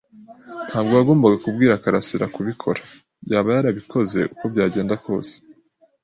Ntabwo wagombaga kubwira karasira kubikora. Yaba yarabikoze uko byagenda kose.